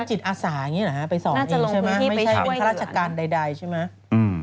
ไม่ใช่เป็นพระราชการใดใช่ไหม